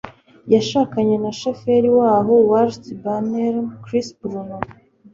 yashakanye na sheferi waho Walt Bannerman (Chris Bruno).